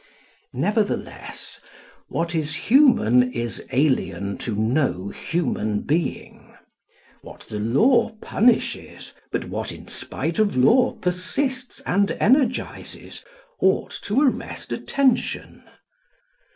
Nevertheless, what is human is alien to no human being. What the law punishes, but what, in spite of law, persists and energises, ought to arrest attention.